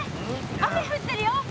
雨降ってるよ！